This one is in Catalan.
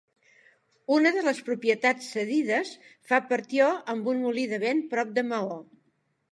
Una de les propietats cedides fa partió amb un molí de vent prop de Maó.